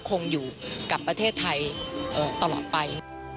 คงอยู่กับประเทศไทยตลอดไป